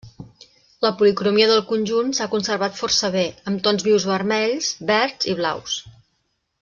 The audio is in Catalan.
La policromia del conjunt s'ha conservat força bé, amb tons vius vermells, verds i blaus.